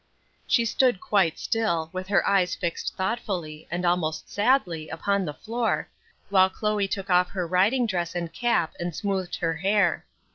_" She stood quite still, with her eyes fixed thoughtfully, and almost sadly, upon the floor, while Chloe took off her riding dress and cap and smoothed her hair.